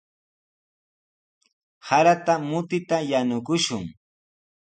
Sarata mutita yanukushun.